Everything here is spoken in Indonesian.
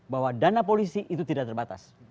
bahwa dana polisi itu tidak terbatas